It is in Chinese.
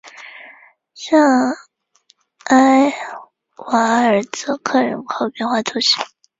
圣埃瓦尔泽克人口变化图示